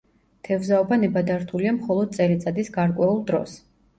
თევზაობა ნებადართულია მხოლოდ წელიწადის გარკვეულ დროს.